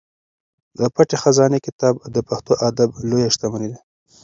د پټې خزانې کتاب د پښتو ادب لویه شتمني ده.